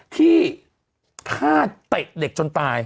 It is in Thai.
ที่ฆ่าเตะเด็กจนตาย